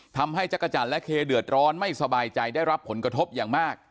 ทำให้จักรจันทร์และเคเดือดร้อนไม่สบายใจได้รับผลกระทบอย่างมาก